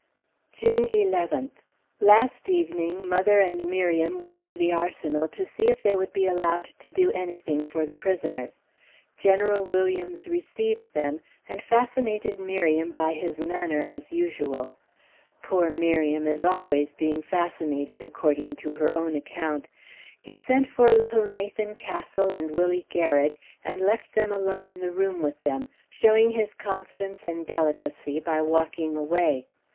June 11th. Last evening mother and Miriam went to the Arsenal to see if they would be allowed to do anything for the prisoners. General Williams received them, and fascinated Miriam by his manner, as usual. Poor Miriam is always being fascinated, according to her own account. He sent for little Nathan Castle and Willie Garig, and left them alone in the room with them, showing his confidence and delicacy by walking away.